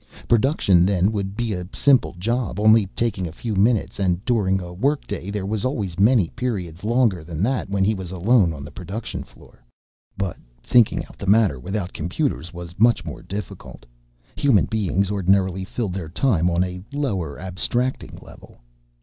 Production then would be a simple job, only taking a few minutes, and during a working day there were always many periods longer than that when he was alone on the production floor. But thinking the matter out without computers was much more difficult. Human beings ordinarily filled their time on a lower abstracting level.